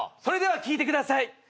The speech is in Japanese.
それでは聞いてください。